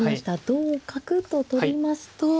同角と取りますと。